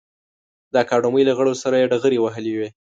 د اکاډمۍ له غړو سره یې ډغرې وهلې وې.